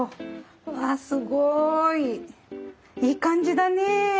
わあすごい！いい感じだねえ。